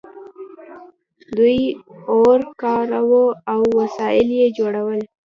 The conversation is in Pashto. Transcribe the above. دوی اور کاراوه او وسایل یې جوړول.